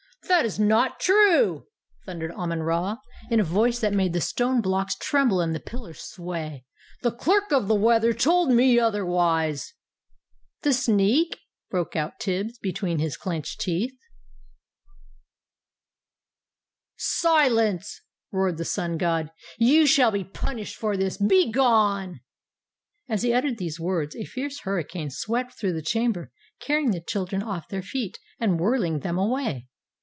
"That is not true!" thundered Amon Ra, in a voice that made the stone blocks tremble and the pillars sway; "the Clerk of the Weather told me otherwise!" "The sneak!" broke out Tibbs, between his clenched teeth. [Illustration: Tibbs and Kiddiwee escape from the Crocodile (p. 87).] "Silence!" roared the Sun God. "You shall be punished for this. BEGONE!" As he uttered these words, a fierce hurricane swept through the chamber, carrying the children off their feet, and whirling them away!